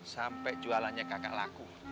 sampai jualannya kagak laku